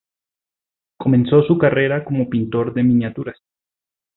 Comenzó su carrera como pintor de miniaturas.